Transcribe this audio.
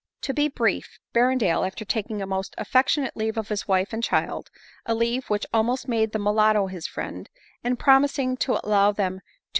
To be brief; Berrendale, after taking a most affection ate leave of his wife and child, a leave which almost made the mulatto his friend, and promising to allow them 200